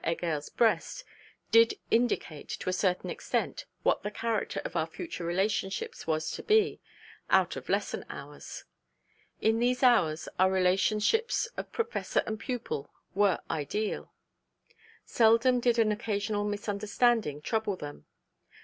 Heger's breast, did indicate, to a certain extent, what the character of our future relationships was to be out of lesson hours. In these hours, our relationships of Professor and pupil were ideal. Seldom did an occasional misunderstanding trouble them.